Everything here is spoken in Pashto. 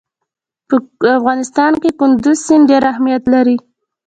په افغانستان کې کندز سیند ډېر اهمیت لري.